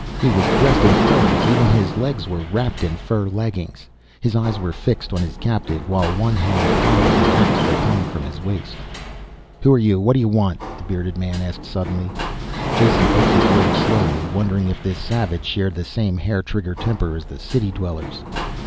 He was dressed in furs, even his legs were wrapped in fur leggings. His eyes were fixed on his captive, while one hand fondled an ax that hung from his waist. "Who're you? What y'want?" the bearded man asked suddenly. Jason picked his words slowly, wondering if this savage shared the same hair trigger temper as the city dwellers.